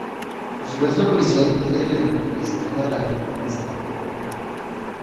A su vez la policía impide el estreno de "La gente honesta".